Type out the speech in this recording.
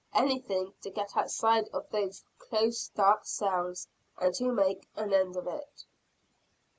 Anything, to get outside of those close dark cells and to make an end of it!